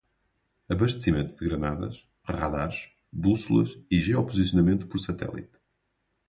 Abastecimento de granadas, radares, bússolas e geoposicionamento por satélite